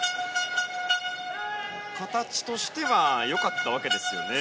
形としては良かったわけですよね。